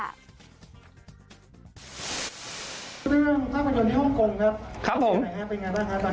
เรื่องภาพยนตร์ที่ฮ่องกงครับ